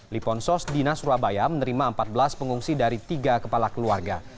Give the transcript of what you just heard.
liponsos dinas surabaya menerima empat belas pengungsi dari tiga kepala keluarga